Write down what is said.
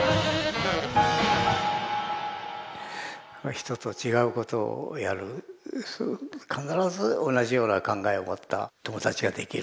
人と違うことをやる必ず同じような考えを持った友達ができる。